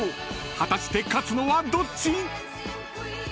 ［果たして勝つのはどっち？］